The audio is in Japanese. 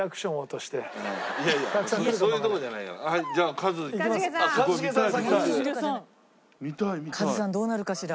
カズさんどうなるかしら？